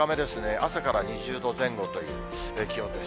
朝から２０度前後という気温です。